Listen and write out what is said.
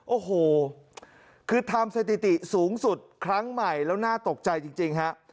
โอ้โหคือทำสถิติสูงสุดครั้งใหม่แล้วน่าตกใจจริงฮะ